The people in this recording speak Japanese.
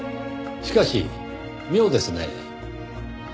しかし妙ですねぇ。